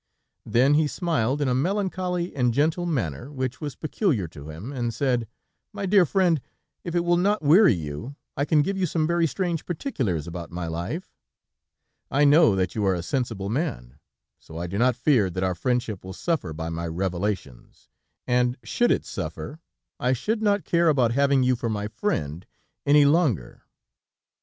Then he smiled in a melancholy and gentle manner, which was peculiar to him, and said: "My dear friend, if it will not weary you, I can give you some very strange particulars about my life. I know that you are a sensible man, so I do not fear that our friendship will suffer by my revelations, and should it suffer, I should not care about having you for my friend any longer.